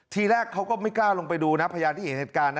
ทีแรกเขาก็ไม่กล้าลงไปดูนะพยานที่เห็นเหตุการณ์นะ